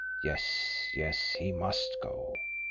Yes, yes, he must go!